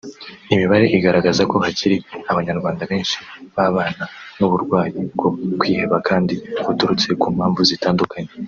Imibare igaragaza ko hakiri Abanyarwanda benshi babana n’uburwayi bwo kwiheba kandi buturutse ku mpamvu zitandukanye